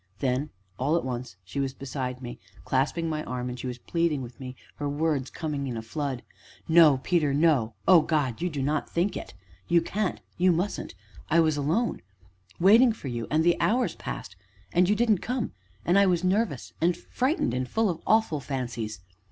Then, all at once, she was beside me, clasping my arm, and she was pleading with me, her words coming in a flood. "No, Peter, no oh, God! you do not think it you can't you mustn't. I was alone waiting for you, and the hours passed and you didn't come and I was nervous and frightened, and full of awful fancies.